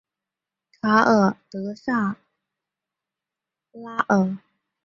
卡内德萨拉尔。